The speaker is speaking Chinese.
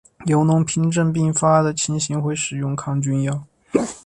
有脓皮症并发的情形会使用抗菌药。